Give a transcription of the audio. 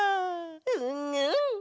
うんうん！